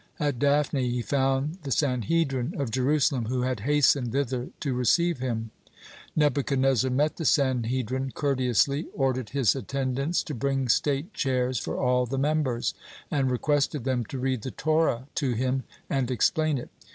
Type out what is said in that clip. At Daphne he found the Sanhedrin of Jerusalem, who had hastened thither to receive him. Nebuchadnezzar met the Sanhedrin courteously, ordered his attendants to bring state chairs for all the members, and requested them to read the Torah to him and explain it.